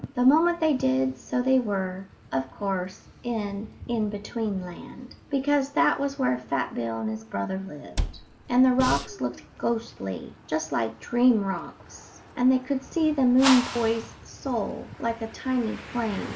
The moment they did so they were, of course, in In between Land, because that was where Fat Bill and his brother lived; and the rocks looked ghostly, just like dream rocks, and they could see the moon boy's soul, like a tiny flame.